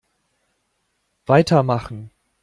Weitermachen!